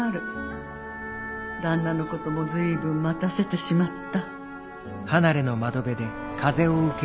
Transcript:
旦那のことも随分待たせてしまった」。